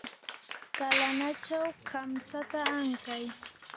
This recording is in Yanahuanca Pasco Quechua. kanalachaw kamtsata ankay.